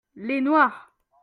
les noires.